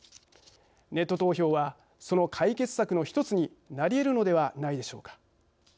ネット投票はその解決策の一つになりえるのではないでしょうか。